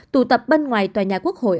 tụ tập bên ngoài tòa nhà quốc hội